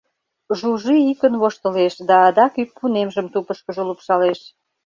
Жужи йӱкын воштылеш да адак ӱппунемжым тупышкыжо лупшалеш.